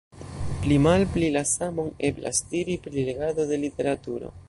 Pli-malpli la samon eblas diri pri legado de literaturo.